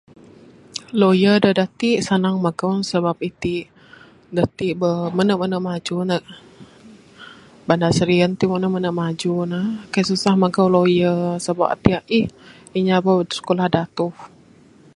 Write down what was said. Lawyer da ati sanang magau ne sebab iti neh mene mene maju neg bandar serian ti mene maju ne susah magau lawyer sabab ati aih inya bauh skulah datuh.